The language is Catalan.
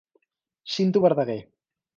Cinto Verdaguer.